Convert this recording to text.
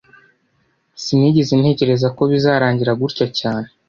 Sinigeze ntekereza ko bizarangira gutya cyane